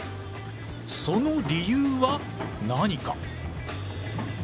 その理由は何か？